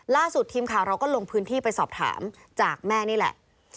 ล่าสุดทีมข่าวเราก็ลงพื้นที่ไปสอบถามจากแม่นี่แหละ